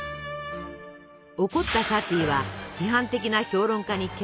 怒ったサティは批判的な評論家に決闘を挑みます。